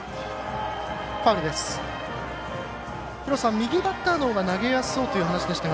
右バッターのほうが投げやすそうという話でしたが。